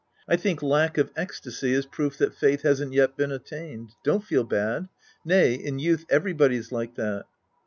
I think lack of ecstasy is proof that faiih hasn't yet been attained. Don't feel bad. Nay, in youth everybody's like that.